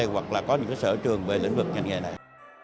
hoặc là có những sở trường về lĩnh vực ngành nghề này